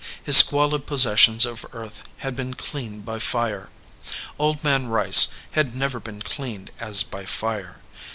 His squalid possessions of earth had been cleaned by fire. Old Man Rice had never been cleaned as by fire.